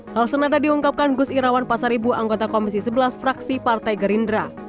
hal senada diungkapkan gus irawan pasar ibu anggota komisi sebelas fraksi partai gerindra